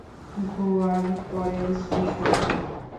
গোয়ার পরের স্টেশন হবে।